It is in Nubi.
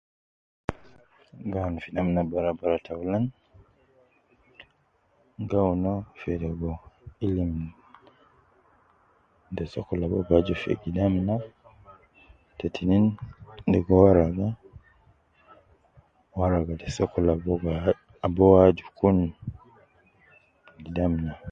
Gi awun fi namna bara bara taulan, gi awun uwo fi ligo ilim te sokol ab uwo bi aju fi gidam na ,te tinin ligo waraga, waraga te sokol ab uwo aju kun gidam na